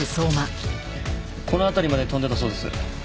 この辺りまで飛んでたそうです。